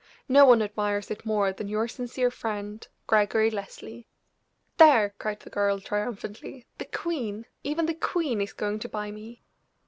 No one admires it more than your sincere friend, "GREGORY LESLIE." "There!" cried the girl, triumphantly, "the queen even the queen is going to buy me!"